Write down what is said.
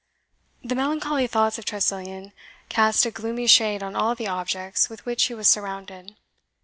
The melancholy thoughts of Tressilian cast a gloomy shade on all the objects with which he was surrounded.